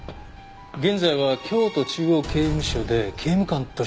現在は京都中央刑務所で刑務官として勤務。